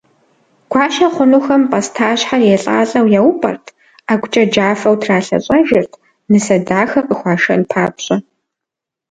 Гуащэ хъунухэм пӏастащхьэр елӏалӏэу яупӏэрт, ӏэгукӏэ джафэу тралъэщӏэжырт, нысэ дахэ къыхуашэн папщӏэ.